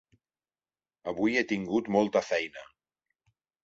Avui he tingut molta feina.